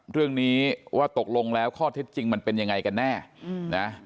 เรื่องนี้ว่าตกลงแล้วข้อเท็จจริงมันเป็นยังไงกันแน่นะ